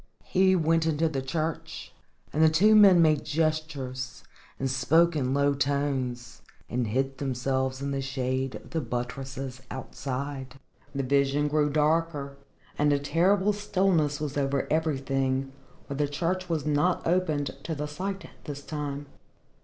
He went into the church, and the two men made gestures, and spoke in low tones, and hid themselves in the shade of the buttresses outside. The vision grew darker and a terrible stillness was over everything, for the church was not opened to the sight this time.